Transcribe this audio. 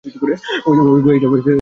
ঐ গুহায় যাবো।